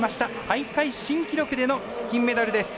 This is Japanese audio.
大会新記録での金メダルです。